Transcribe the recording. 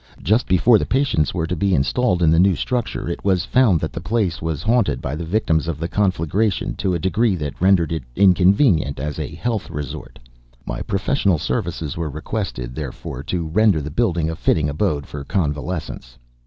Just before the patients were to be installed in the new structure, it was found that the place was haunted by the victims of the conflagration to a degree that rendered it inconvenient as a health resort. My professional services were requested, therefore, to render the building a fitting abode for convalescents.